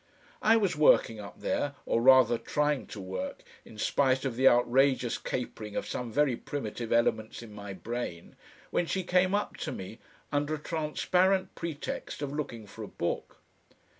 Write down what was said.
I was working up there, or rather trying to work in spite of the outrageous capering of some very primitive elements in my brain, when she came up to me, under a transparent pretext of looking for a book.